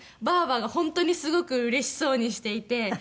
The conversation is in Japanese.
ばあばが本当にすごくうれしそうにしていて。